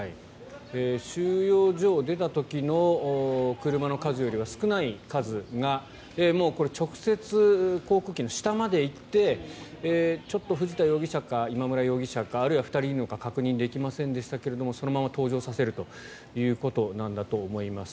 収容所を出た時の車の数よりは少ない数がもう直接航空機の下まで行ってちょっと藤田容疑者か今村容疑者かあるいは２人いるのか確認できませんでしたがそのまま搭乗させるということなんだと思います。